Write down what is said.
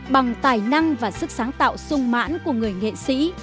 bằng tài năng và sức sáng tạo sung mãn của người nghệ sĩ